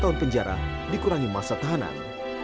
dua puluh tahun penjara dikurangi masa tahanan